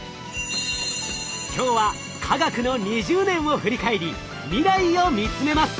今日は科学の２０年を振り返り未来を見つめます。